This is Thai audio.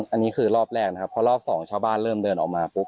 อันนี้คือรอบแรกนะครับเพราะรอบสองชาวบ้านเริ่มเดินออกมาปุ๊บ